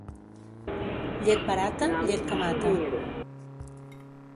Llet barata, llet que mata.